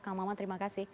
kang maman terima kasih